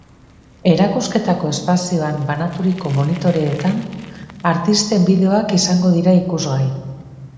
Erakusketako espazioan banaturiko monitoreetan artisten bideoak izango dira ikusgai.